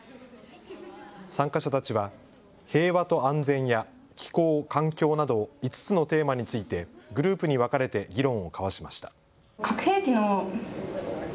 参加者たちは平和と安全や気候・環境など５つのテーマについてグループに分かれて議論を交わしました。